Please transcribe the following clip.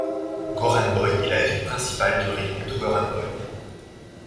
Goranboy est la ville principale du rayon de Goranboy.